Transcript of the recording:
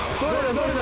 どれだ？